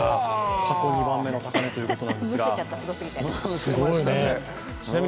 過去２番目の高値ということですがすごいですね。